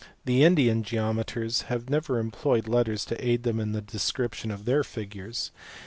The Indian geometers never employed letters to aid them in the description of their figures.